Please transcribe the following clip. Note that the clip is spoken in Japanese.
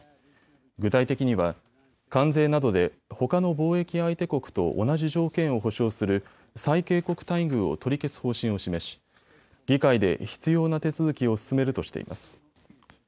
具体的には関税などでほかの貿易相手国と同じ条件を保障する最恵国待遇を取り消す方針を示し、議会で必要な手続きを進めるとしています。